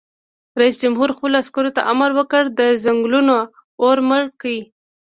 رئیس جمهور خپلو عسکرو ته امر وکړ؛ د ځنګلونو اور مړ کړئ!